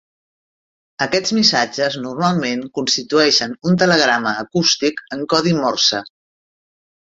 Aquests missatges, normalment constitueixen un telegrama acústic en codi Morse.